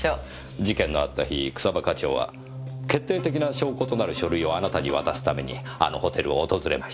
事件のあった日草葉課長は決定的な証拠となる書類をあなたに渡すためにあのホテルを訪れました。